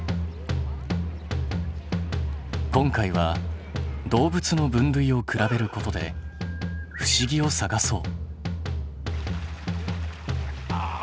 今回は「動物の分類」を比べることで不思議を探そう！